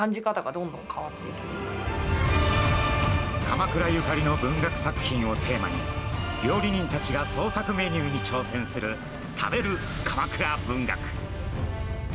鎌倉ゆかりの文学作品をテーマに、料理人たちが創作メニューに挑戦する「食べる！鎌倉文学」。